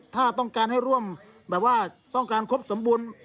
ถ้าต้องการให้ร่วมแบบว่าต้องการครบสมบูรณ์